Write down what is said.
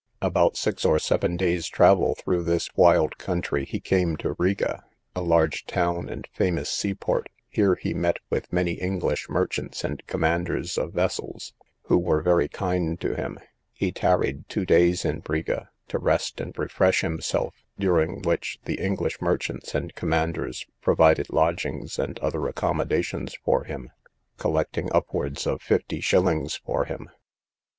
After six or seven days' travel through this wild country he came to Riga, a large town and famous sea port: here he met with many English merchants and commanders of vessels, who were very kind to him; he tarried two days in Riga, to rest and refresh himself: during which the English merchants and commanders provided lodgings and other accommodations for him, collecting upwards of fifty shillings for him.